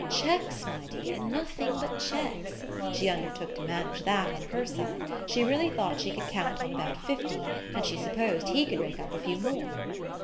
Cheques, my dear, nothing but cheques she undertook to manage that on her side: she really thought she could count on about fifty, and she supposed he could rake up a few more?